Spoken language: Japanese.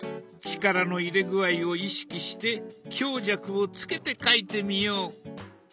力の入れ具合を意識して強弱をつけて描いてみよう。